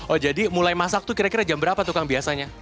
oh jadi mulai masak tuh kira kira jam berapa tuh kang biasanya